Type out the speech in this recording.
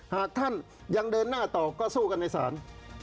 หากท่านยังเดินหน้าต่อก็สู้กันในศาล